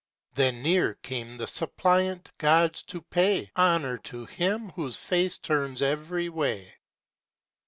Then nearer came the suppliant Gods to pay Honour to him whose face turns every way.